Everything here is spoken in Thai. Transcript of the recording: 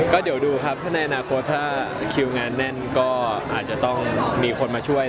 ก็เดี๋ยวดูครับถ้าในอนาคตถ้าคิวงานแน่นก็อาจจะต้องมีคนมาช่วย